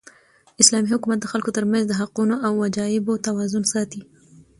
اسلامي حکومت د خلکو تر منځ د حقونو او وجایبو توازن ساتي.